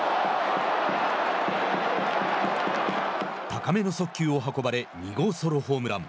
高めの速球を運ばれ２号ソロホームラン。